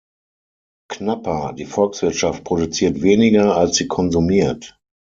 Knapper: Die Volkswirtschaft produziert weniger, als sie konsumiert.